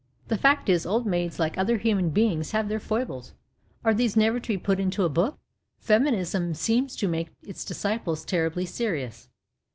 The fact is, old maids like other human beings have their foibles. Are these never to be put into a book ? Feminism seems to make its disciples terribly serious.